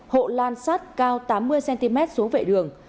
hộ lan sắt cao tám mươi cm xuống vệ đường